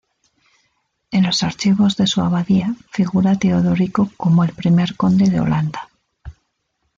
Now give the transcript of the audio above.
En los archivos de su abadía figura Teodorico como el primer conde de Holanda.